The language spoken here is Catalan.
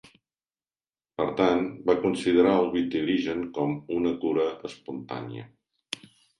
Per tant, va considerar el vitiligen com una "cura espontània".